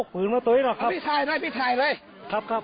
บอกพวกปืนมาต๋วยเหรอครับเอาพี่ทายได้พี่ทายเลยครับครับ